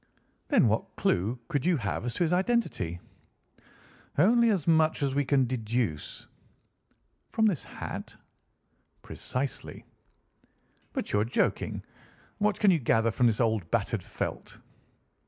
"Then, what clue could you have as to his identity?" "Only as much as we can deduce." "From his hat?" "Precisely." "But you are joking. What can you gather from this old battered felt?"